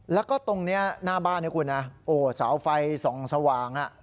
แล้วก็ตรงหน้าบ้านสาวไฟส่องสว่าง